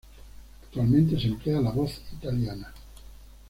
Actualmente se emplea la voz italiana.